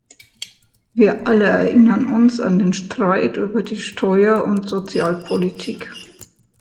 Wir alle erinnern uns an den Streit über die Steuer- und Sozialpolitik.